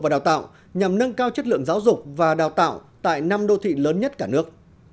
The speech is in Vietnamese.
và đào tạo nhằm nâng cao chất lượng giáo dục và đào tạo tại năm đô thị lớn nhất cả nước